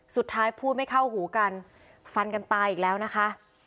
สุดท้ายพูดไม่เข้าหูกันฟันกันตายอีกแล้วนะคะ